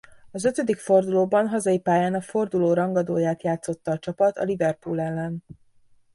Az ötödik fordulóban hazai pályán a forduló rangadóját játszotta a csapat a Liverpool ellen.